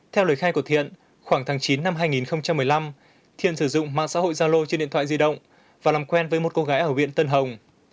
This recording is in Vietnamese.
theo lời khai của thiện khoảng tháng chín năm hai nghìn một mươi năm thiên sử dụng mạng xã hội zalo trên điện thoại di động và làm quen với một cô gái ở huyện tân hồng